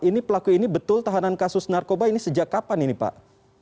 ini pelaku ini betul tahanan kasus narkoba ini sejak kapan ini pak